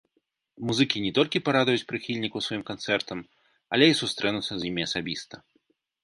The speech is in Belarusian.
Музыкі не толькі парадуюць прыхільнікаў сваім канцэртам, але і сустрэнуцца з імі асабіста.